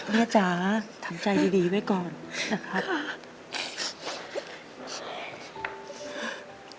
แม่จ๋าทำใจดีไว้ก่อนนะคะ